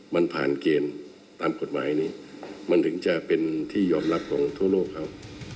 มันผ่านเกณฑ์ตามกฎหมายนี้มันถึงจะเป็นที่ยอมรับของทั่วโลกเขา